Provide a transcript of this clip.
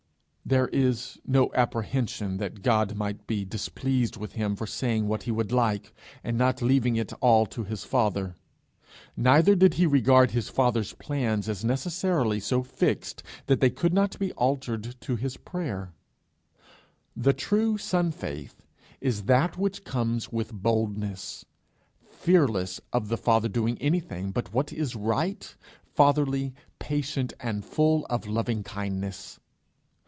There is no apprehension that God might be displeased with him for saying what he would like, and not leaving it all to his Father. Neither did he regard his Father's plans as necessarily so fixed that they could not be altered to his prayer. The true son faith is that which comes with boldness, fearless of the Father doing anything but what is right fatherly, patient, and full of loving kindness.